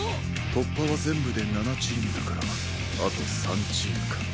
突破は全部で７チームだからあと３チームか。